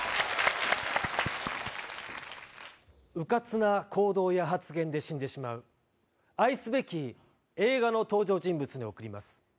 うかつな行動や発言で死んでしまう、愛すべき映画の登場人物に贈ります。